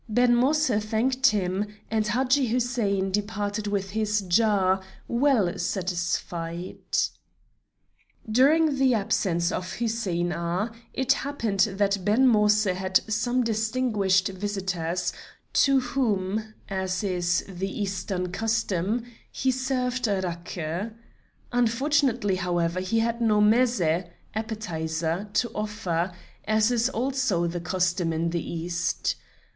Ben Moïse thanked him, and Hadji Hussein departed with his jar, well satisfied. During the absence of Hussein Agha, it happened that Ben Moïse had some distinguished visitors, to whom, as is the Eastern custom, he served raki. Unfortunately, however, he had no mézé (appetizer) to offer, as is also the custom in the East.